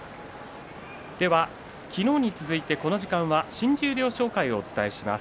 昨日に続いてこの時間は新十両紹介をお伝えします。